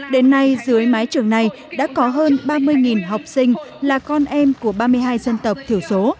đến nay dưới mái trường này đã có hơn ba mươi học sinh là con em của ba mươi hai dân tộc thiểu số